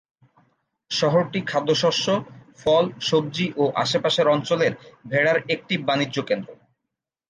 শহরটি খাদ্যশস্য, ফল, সবজি ও আশেপাশের অঞ্চলের ভেড়ার একটি বাণিজ্যকেন্দ্র।